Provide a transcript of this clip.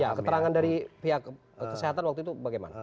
ya keterangan dari pihak kesehatan waktu itu bagaimana